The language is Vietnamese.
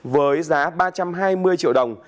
với giá ba trăm hai mươi triệu đồng